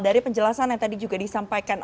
dari penjelasan yang tadi juga disampaikan